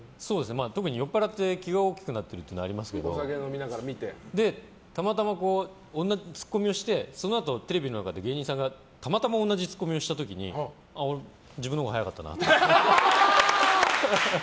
特に酔っぱらって気が大きくなってるのはありますけどたまたまツッコミをしてそのあとテレビの中で芸人さんがたまたま同じツッコミをした時に自分のほうが早かったなって。